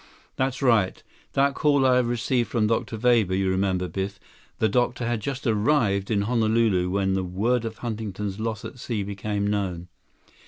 "That's right. That call I received from Dr. Weber—you remember, Biff. The doctor had just arrived in Honolulu when word of Huntington's loss at sea became known.